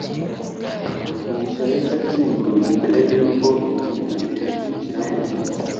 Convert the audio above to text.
mugisha yahise akinga urugi mbere yuko imibu iyinjiramo